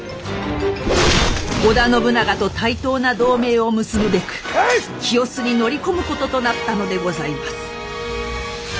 織田信長と対等な同盟を結ぶべく清須に乗り込むこととなったのでございます。